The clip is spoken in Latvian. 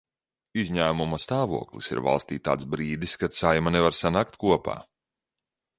Izņēmuma stāvoklis ir valstī tāds brīdis, kad Saeima nevar sanākt kopā.